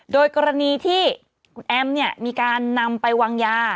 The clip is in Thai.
โดยกรณีที่คุณแอมมีการนำไปวางยา